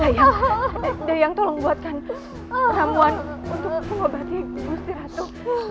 dayang dayang tolong buatkan peramuan untuk pengobati gusti ratu